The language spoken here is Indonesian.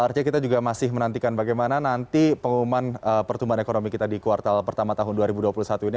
artinya kita juga masih menantikan bagaimana nanti pengumuman pertumbuhan ekonomi kita di kuartal pertama tahun dua ribu dua puluh satu ini